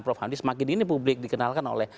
prof hamdi semakin dini publik dikenalkan oleh